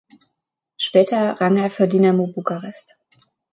Später rang er für Dinamo Bukarest.